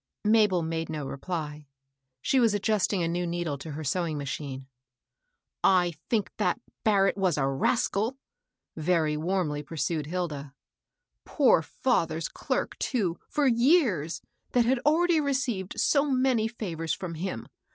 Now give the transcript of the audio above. Mabel made no reply. She was adjusting a new needle to her sewing machine. I think that Barrett was a rascal !" very warmly pursued Hilda. " Poor father's clerk, too, for years, that had already received so many favors from him!